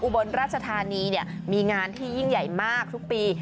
บนราชธานีมีงานที่ยิ่งใหญ่มากทุกปี